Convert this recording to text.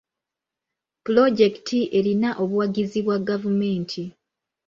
Puloojekiti erina obuwagizi bwa gavumenti.